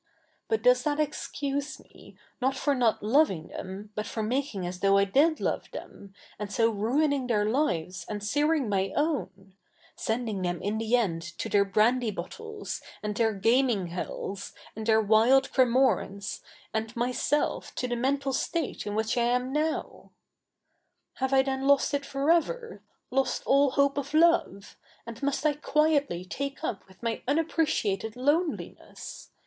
But does thai excuse me, not for tiot loving thevi, but for making as though I did love them, and so ruining their lives and searing niy own ? sending thetn i?i the end to their bra/uiy CH. ii] THE NEW REPUBLIC 229 bottles^ and their gami?ig hells^ mid their wild Cremoriies^ a?id myself— to the me?ital state i7i which I am now I '" Have I then lost it for ever — lost all hope of love ? and must I quietly take up with my unappreciated lone liness